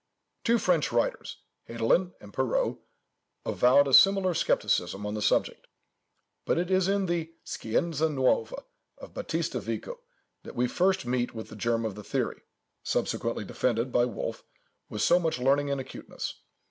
Two French writers—Hedelin and Perrault—avowed a similar scepticism on the subject; but it is in the "Scienza Nuova" of Battista Vico, that we first meet with the germ of the theory, subsequently defended by Wolf with so much learning and acuteness.